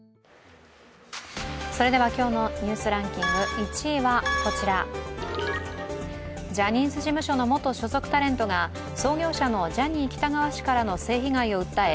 それでは今日の「ニュースランキング」１位はこちらジャニーズ事務所の元所属タレントが創業者のジャニー喜多川氏からの性被害を訴え